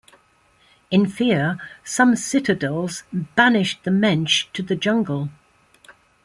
In fear, some citadels banished the mensch to the jungle.